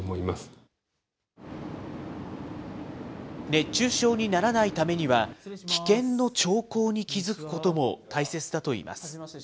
熱中症にならないためには、危険の兆候に気付くことも大切だといいます。